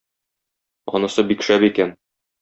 Анысы бик шәп икән.